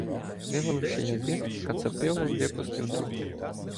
Виваливши язик, кацапило випустив дух.